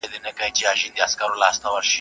ته به مي شړې خو له ازل سره به څه کوو؟.